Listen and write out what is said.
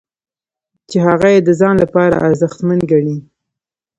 چې هغه یې د ځان لپاره ارزښتمن ګڼي.